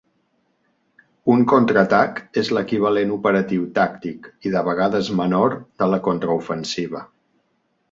Un contraatac és l'equivalent operatiu tàctic i de vegades menor de la contraofensiva.